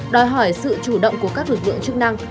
đòi hỏi sự chủ động của các lực lượng chức năng